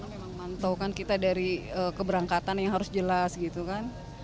karena memang mantau kan kita dari keberangkatan yang harus jelas gitu kan